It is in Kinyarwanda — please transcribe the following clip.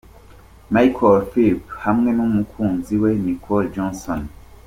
Michael Phelps hamwe n'umukunzi we Nicole Johnson.